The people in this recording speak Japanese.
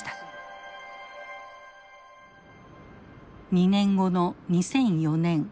２年後の２００４年。